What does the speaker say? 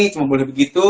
cuma boleh begitu